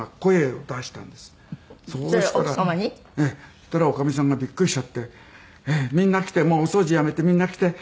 そしたら女将さんがびっくりしちゃって「みんな来て。もうお掃除やめてみんな来て」。